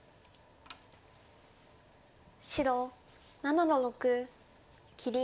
白７の六切り。